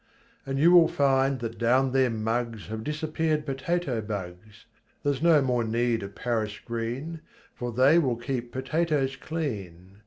And you will find that down their muggs Have disappeared potato bugs, Theres no more need of Paris green For they will keep potatoes clean.